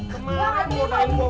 kemarin lu ngurangin gue mulu